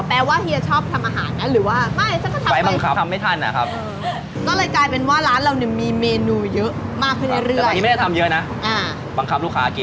แปลว่าเฮียชอบทำอาหารนะหรือว่า